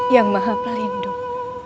yang maha pelindung